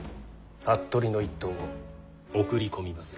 服部の一党を送り込みまする。